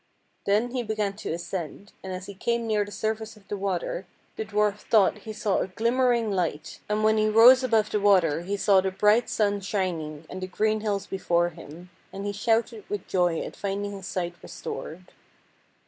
Then he began to ascend, and as he came near the surface of the water the dwarf thought he saw a glimmering light, and when he rose above the water he saw the bright sun shining and the green hills before him, and he shouted with joy at finding his sight restored.